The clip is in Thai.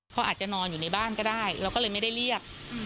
เขาอาจจะนอนอยู่ในบ้านก็ได้เราก็เลยไม่ได้เรียก